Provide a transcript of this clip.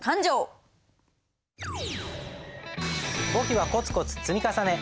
簿記はコツコツ積み重ね。